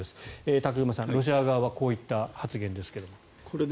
武隈さん、ロシア側はこういった発言ですが。